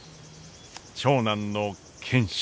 長男の賢秀。